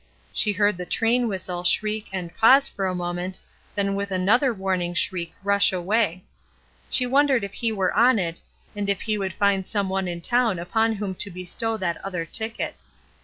She heard the train whistle and shriek and pause for a moment, then with another warning shriek rush away. She wondered if he were on it, and if he would find some one in town upon whom to bestow that other ticket.